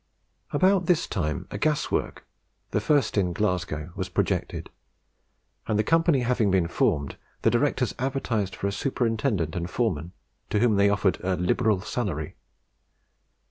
About this time a gas work, the first in Glasgow, was projected, and the company having been formed, the directors advertised for a superintendent and foreman, to whom they offered a "liberal salary."